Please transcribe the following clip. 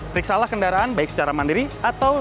periksalah kendaraan baik secara mandiri atau